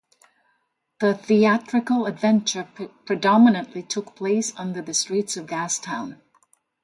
The theatrical adventure predominantly took place under the streets of Gastown.